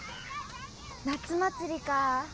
夏祭りか